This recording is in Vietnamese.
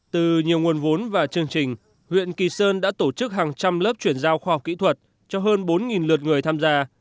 từ nhiều nguồn vốn và chương trình huyện kỳ sơn đã tổ chức hàng trăm lớp chuyển giao khoa học kỹ thuật cho hơn bốn lượt người tham gia